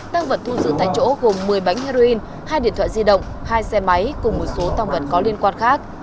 tăng vật thu giữ tại chỗ gồm một mươi bánh heroin hai điện thoại di động hai xe máy cùng một số tăng vật có liên quan khác